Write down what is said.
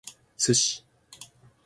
sushi